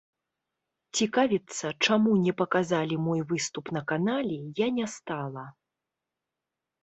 Цікавіцца, чаму не паказалі мой выступ на канале, я не стала.